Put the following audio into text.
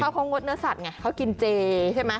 เขางดเนื้อสัตว์ไงเขากินเจใช่ไหม